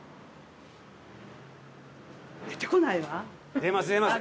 出ます出ます。